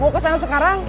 mau kesana sekarang